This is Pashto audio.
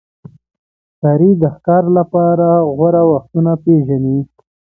ښکاري د ښکار لپاره غوره وختونه پېژني.